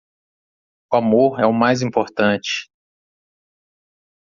O amor é o mais importante